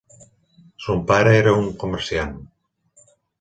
Son pare era un comerciant.